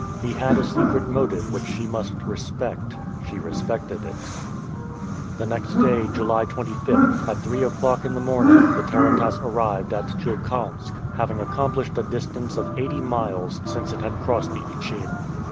He had a secret motive which she must respect. She respected it. The next day, July 25th, at three o'clock in the morning, the tarantass arrived at Tioukalmsk, having accomplished a distance of eighty miles since it had crossed the Ichim.